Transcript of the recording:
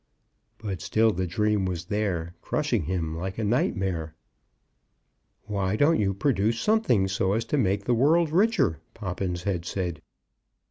But still the dream was there, crushing him like a nightmare. "Why don't you produce something, so as to make the world richer?" Poppins had said.